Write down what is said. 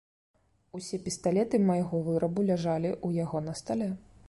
Усе пісталеты майго вырабу ляжалі ў яго на стале.